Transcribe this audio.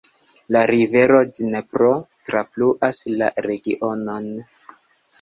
La rivero Dnepro trafluas la regionon.